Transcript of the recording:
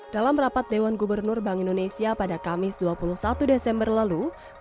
dalam rapat dewan gubernur bank indonesia pada kamis dua puluh satu desember lalu